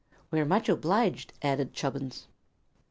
"We're much obliged," added Chubbins.